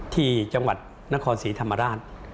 ที่จังหวัดนครศรีธรรมราช